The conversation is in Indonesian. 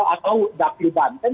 atau dapil banten